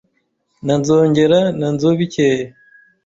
Na Nzogera na Nzobikeye